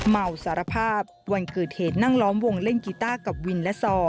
เมาสารภาพวันเกิดเหตุนั่งล้อมวงเล่นกีต้ากับวินและซอ